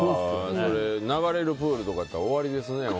流れるプールとかやったら終わりですね。